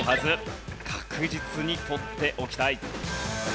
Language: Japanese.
確実に取っておきたい。